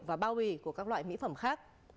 và bao bì của các loại mỹ phẩm khác